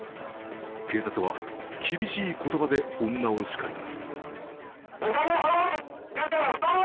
警察は厳しい言葉で女を叱ります。